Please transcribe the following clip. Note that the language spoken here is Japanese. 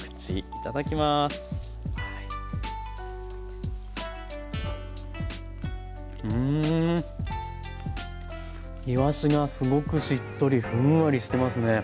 いわしがすごくしっとりふんわりしてますね。